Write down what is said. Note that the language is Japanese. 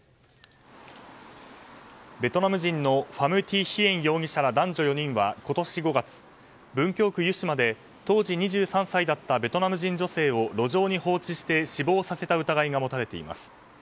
ベトナム人のファム・ティ・ヒエン容疑者ら男女４人は今年５月文京区湯島で当時２３歳だったベトナム人女性を路上に放置して死亡させた疑いが持たれています。